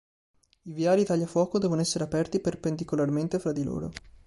I viali tagliafuoco devono essere aperti perpendicolarmente fra di loro.